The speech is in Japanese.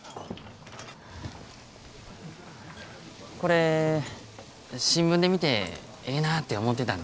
これ新聞で見てええなぁて思てたんです。